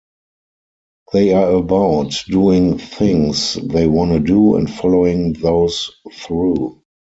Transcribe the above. They are about doing things they wanna do, and following those through.